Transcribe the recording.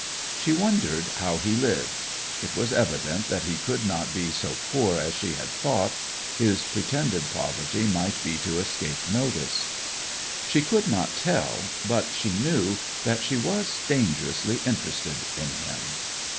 'She wondered how he lived. It was evident that he could not be so poor as she had thought; his pretended poverty might be to escape notice. She could not tell, but she knew that she was dangerously interested in him.